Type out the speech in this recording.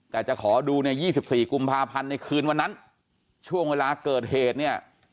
แต่จะขอดูเนี่ย๒๔กุมภาพันธ์ในคืนวันนั้นช่วงเวลาเกิดเหตุเนี่ย